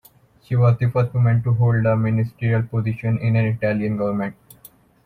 She was the first woman to hold a ministerial position in an Italian government.